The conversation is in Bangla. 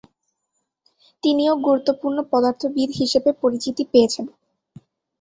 তিনিও গুরুত্বপূর্ণ পদার্থবিদ হিসেবে পরিচিতি পেয়েছেন।